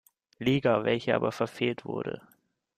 Liga, welche aber verfehlt wurde.